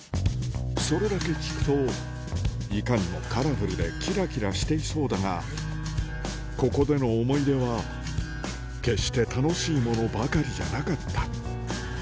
それだけ聞くと、いかにもカラフルで、きらきらしていそうだが、ここでの思い出は、決して楽しいものばかりじゃなかった。